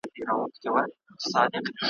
توتکۍ ویله غم لرم چي ژاړم `